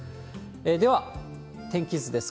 では、天気図です。